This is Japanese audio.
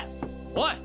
おい！